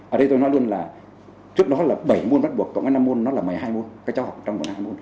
ở đây tôi nói luôn là trước đó là bảy môn bắt buộc cộng với năm môn nó là một mươi hai môn các giáo học trong một mươi hai môn